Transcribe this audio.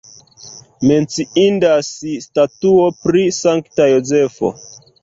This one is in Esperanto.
Menciindas statuo pri Sankta Jozefo.